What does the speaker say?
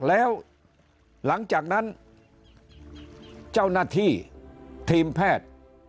แล้วหลังจากนั้นเจ้าหน้าที่ทีมแพทย์